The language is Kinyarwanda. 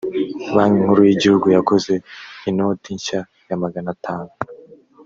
banki nkuru y igihugu yakoze inoti nshya ya maganatanu